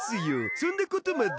そんなことまで。